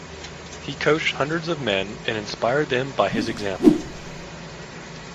He coached hundreds of men and inspired them by his example.